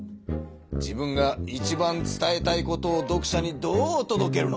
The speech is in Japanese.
自分がいちばん伝えたいことを読者にどうとどけるのか。